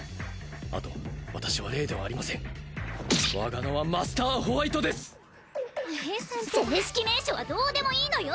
あと私はレイではありません我が名はマスター・ホワイトですレイさんってば正式名称はどうでもいいのよ！